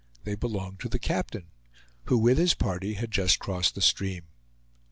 They belonged to the captain, who with his party had just crossed the stream.